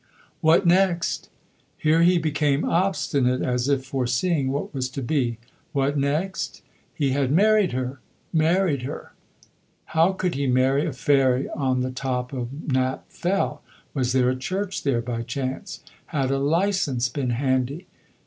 What next? Here he became obstinate, as if foreseeing what was to be. What next? He had married her. Married her! How could he marry a fairy on the top of Knapp Fell? Was there a church there, by chance? Had a licence been handy?